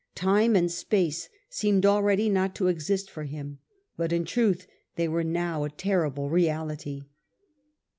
Time and space seemed already not to exist for him, but in truth they were now a terrible reality.